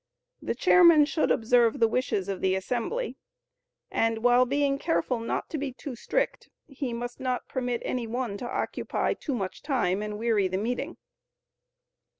The chairman should observe the wishes of the assembly, and while being careful not to be too strict, he must not permit any one to occupy too much time and weary the meeting.